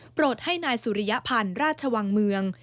โปรดให้นายสุริยพันธ์ราชวังเมือง